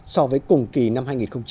so với cùng kỳ năm hai nghìn hai mươi ba